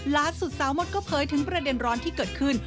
ลาดสุดซ้าวมดก็เพยรถึงประเด็นร้อนที่เกิดขึ้น